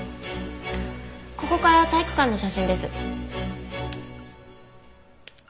ここから体育館の写真です。